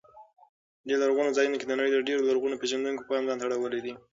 دې لرغونو ځایونو د نړۍ د ډېرو لرغون پېژندونکو پام ځان ته اړولی دی.